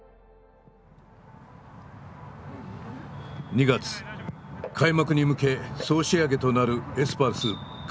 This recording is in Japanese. ２月開幕に向け総仕上げとなるエスパルス鹿児島キャンプ。